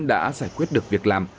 đã giải quyết được việc làm